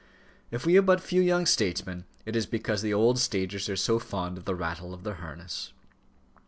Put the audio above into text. If we have but few young statesmen, it is because the old stagers are so fond of the rattle of their harness.